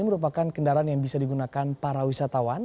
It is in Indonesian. merupakan kendaraan yang bisa digunakan para wisatawan